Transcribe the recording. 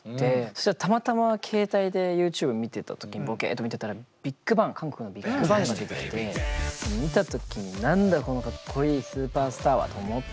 そしたらたまたま携帯でＹｏｕＴｕｂｅ見てた時ボケっと見てたら韓国のＢＩＧＢＡＮＧが出てきて見た時に「何だこのかっこいいスーパースターは！？」と思って。